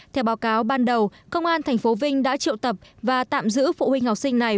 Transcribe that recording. theo báo cáo ban đầu công an tp vinh đã triệu tập và tạm giữ phụ huynh học sinh này